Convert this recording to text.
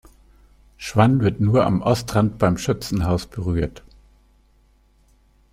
Schwann wird nur am Ortsrand beim Schützenhaus berührt.